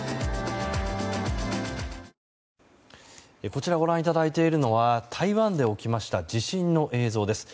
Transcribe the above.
こちらご覧いただいているのは台湾で起きました地震の映像です。